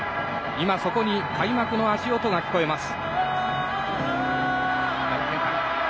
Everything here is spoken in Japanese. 今そこに開幕の足音が聞こえます。